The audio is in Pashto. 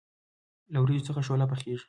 له وریجو څخه شوله پخیږي.